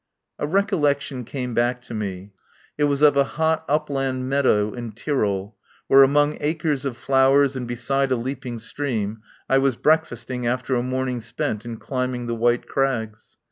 A recollection came back to me. It was of a hot upland meadow in Tyrol, where among acres of flowers and beside a leaping stream I was breakfasting after a morning spent in climbing the white crags.